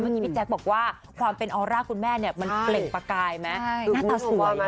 พี่แจ๊คบอกว่าความเป็นออร่าคุณแม่เนี่ยมันเปล่งประกายไหมหน้าตาสวยไหม